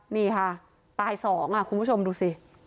นี่ค่ะตายสองคุณผู้ชมดูสิ